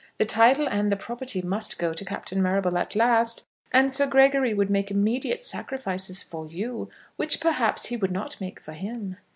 The title and the property must go to Captain Marrable at last, and Sir Gregory would make immediate sacrifices for you, which perhaps he would not make for him."